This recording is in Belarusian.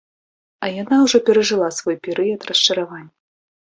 А яна ўжо перажыла свой перыяд расчаравання.